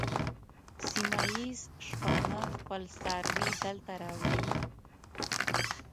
سیمه ییز شپانه خپل څاروي دلته راوړي.